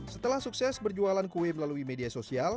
setelah sukses berjualan kue melalui media sosial